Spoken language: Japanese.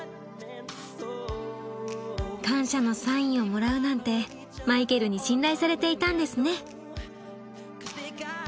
感謝のサインをもらうなんてマイケルに信頼されていたんですね。